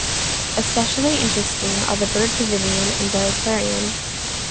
Especially interesting are the bird pavilion and the aquarium.